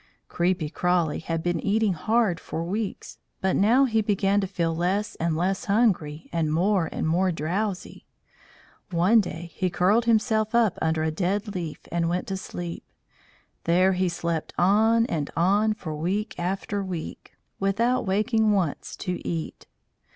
Creepy Crawly had been eating hard for weeks, but now he began to feel less and less hungry and more and more drowsy. One day he curled himself up under a dead leaf and went to sleep; there he slept on and on for week after week without waking once to eat.